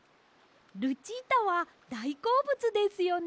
ルチータはだいこうぶつですよね？